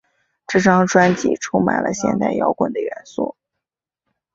这张专辑充满了现代摇滚的元素。